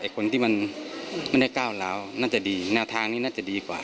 แต่คนที่มันไม่ได้ก้าวร้าวน่าจะดีแนวทางนี้น่าจะดีกว่า